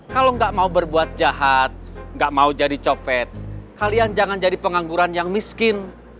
kalau nggak mau berbuat jahat gak mau jadi copet kalian jangan jadi pengangguran yang miskin